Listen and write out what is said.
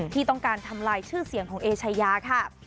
ที่ต้องการทำลายชื่อเสียงของเอชายาค่ะ